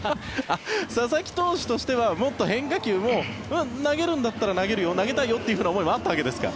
佐々木投手としてはもっと変化球も投げるんだったら投げたいよという思いもあったわけですか。